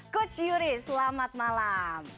coach yuri selamat malam